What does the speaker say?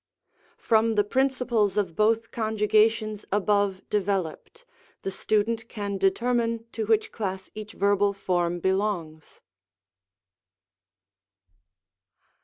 From the principles of both conjugations above de veloped, the student can determine to which class each verbal form belongs.